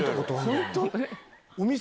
本当？